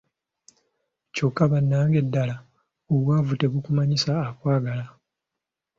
Kyokka bannange ddala obwavu tebukumanyisa akwagala.